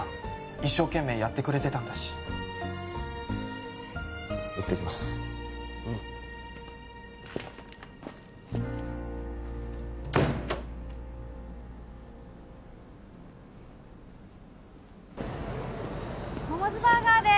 一生懸命やってくれてたんだし行ってきますうんモモズバーガーです